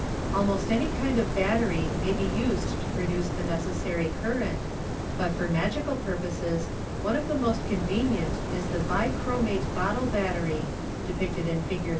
Almost any kind of battery may be used to produce the necessary current, but for magical purposes one of the most convenient is the Bichromate Bottle Battery, depicted in Fig.